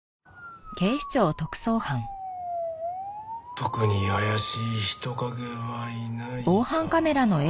特に怪しい人影はいないか。